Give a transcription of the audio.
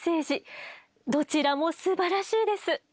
どちらもすばらしいです。